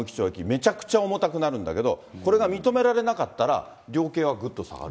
めちゃくちゃ重たくなるんだけど、これが認められなかったら、量刑はぐっと下がる。